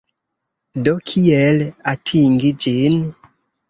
Do kiel atingi ĝin?